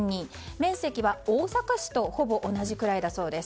面積は大阪市とほぼ同じくらいだそうです。